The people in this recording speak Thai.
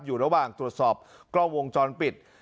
อยู่ระหว่างตรวจสอบกล้องวงจรปิด